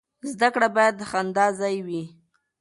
زده کړه باید د خندا ځای وي.